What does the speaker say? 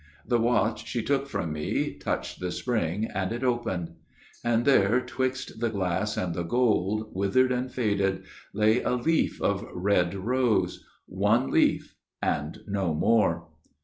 The watch she took from me, touched the spring and it opened, And there, 'twixt the glass and the gold, withered and faded, Lay a leaf of Red Rose. One leaf, and no more.